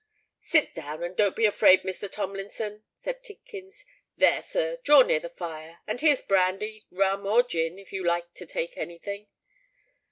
"Sit down, and don't be afraid, Mr. Tomlinson," said Tidkins. "There, sir—draw near the fire; and here's brandy, rum, or gin, if you like to take any thing."